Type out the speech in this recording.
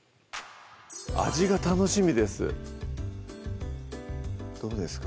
味が楽しみですどうですか？